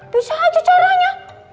bisa aja caranya